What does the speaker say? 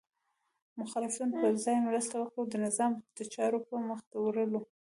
د مخالفتونو په ځای مرسته وکړئ او د نظام د چارو په مخته وړلو